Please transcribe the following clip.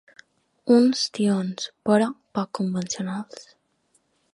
Uns tions, però, poc convencionals.